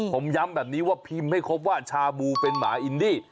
ผมย้ำแบบนี้ว่าพิมพ์ให้ครบว่าชาบูเป็นหมาอินดี้